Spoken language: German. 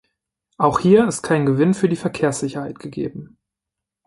Auch hier ist kein Gewinn für die Verkehrssicherheit gegeben.